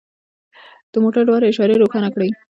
د موټر دواړه اشارې روښانه کړئ